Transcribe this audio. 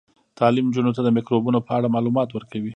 تعلیم نجونو ته د میکروبونو په اړه معلومات ورکوي.